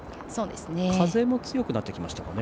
風も強くなってきましたかね。